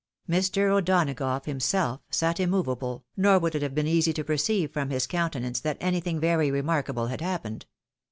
Mr. O'Donagough himself sat immovable, nor would it have been easy to perceive from his countenance that anything very remarkable had happened.